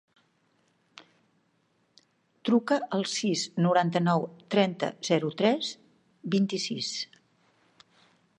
Truca al sis, noranta-nou, trenta, zero, tres, vint-i-sis.